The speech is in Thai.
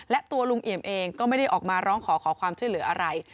และตัวลุงเอี่ยมเองก็ไม่ได้ออกมาร้องขอขอความช่วยเหลืออะไร